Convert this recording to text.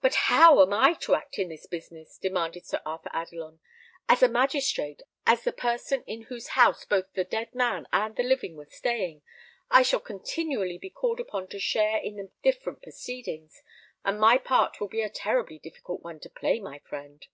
"But how am I to act in this business?" demanded Sir Arthur Adelon. "As a magistrate, as the person in whose house both the dead man and the living were staying, I shall continually be called upon to share in the different proceedings, and my part will be a terribly difficult one to play, my friend."